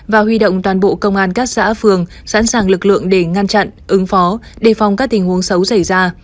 và huy động toàn bộ công an các xã phường sẵn sàng lực lượng để ngăn chặn ứng phó đề phòng các tình huống xấu xảy ra